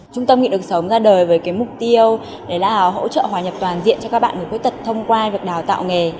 trung tâm nghị lực sống ra đời với cái mục tiêu để là hỗ trợ hòa nhập toàn diện cho các bạn với quy tật thông qua việc đào tạo nghề